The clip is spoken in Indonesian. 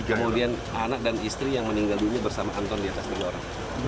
kemudian anak dan istri yang meninggal dunia bersama anton di atas dua orang